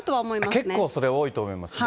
結構それ多いと思いますね。